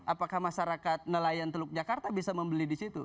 apakah masyarakat nelayan teluk jakarta bisa membeli disitu